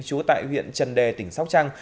chú tại huyện trần đề tỉnh sóc trăng